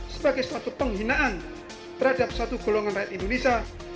sebagai suatu penghinaan terhadap satu golongan rakyat indonesia